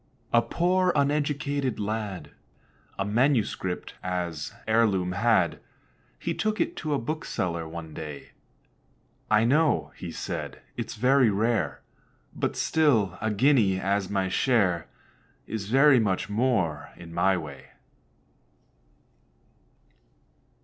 A poor uneducated lad A manuscript as heirloom had. He took it to a bookseller one day: "I know," said he, "it's very rare; But still, a guinea as my share Is very much more in my way."